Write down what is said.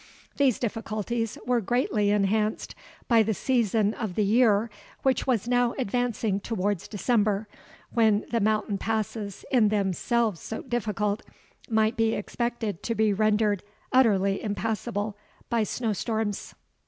These difficulties were greatly enhanced by the season of the year, which was now advancing towards December, when the mountain passes, in themselves so difficult, might be expected to be rendered utterly impassable by snowstorms.